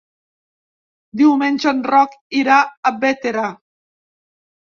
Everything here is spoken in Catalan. Diumenge en Roc irà a Bétera.